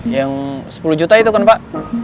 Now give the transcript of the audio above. yang sepuluh juta itu kan pak